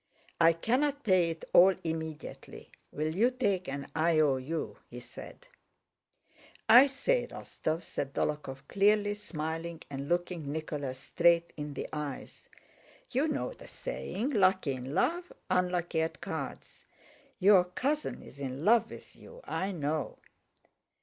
"I cannot pay it all immediately. Will you take an I.O.U.?" he said. "I say, Rostóv," said Dólokhov clearly, smiling and looking Nicholas straight in the eyes, "you know the saying, 'Lucky in love, unlucky at cards.' Your cousin is in love with you, I know."